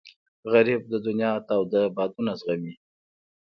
غریب د دنیا تود بادونه زغمي